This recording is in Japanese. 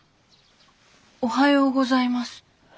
おはようございます。